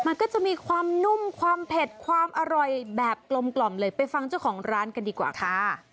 มันก็จะมีความนุ่มความเผ็ดความอร่อยแบบกลมกล่อมเลยไปฟังเจ้าของร้านกันดีกว่าค่ะ